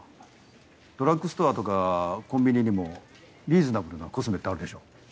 ドラッグストアとかコンビニにもリーズナブルなコスメってあるでしょ？